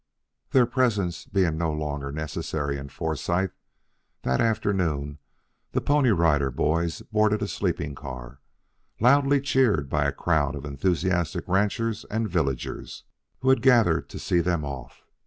Their presence being no longer necessary in Forsythe, that afternoon the Pony Rider Boys boarded a sleeping car, loudly cheered by a crowd of enthusiastic ranchers and villagers, who had gathered to see them off.